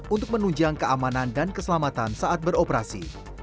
untuk menunjang keamanan dan keselamatan saat beroperasi